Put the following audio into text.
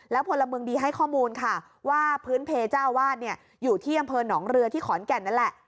พลเมืองดีให้ข้อมูลค่ะว่าพื้นเพลเจ้าอาวาสอยู่ที่อำเภอหนองเรือที่ขอนแก่นนั่นแหละ